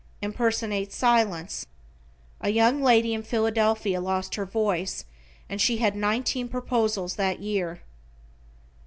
Impersonate silence. A young lady in Philadelphia lost her voice and she had nineteen proposals that year.